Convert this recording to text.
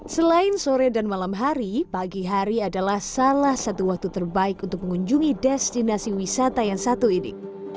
selain sore dan malam hari pagi hari adalah salah satu waktu terbaik untuk mengunjungi destinasi wisata yang satu ini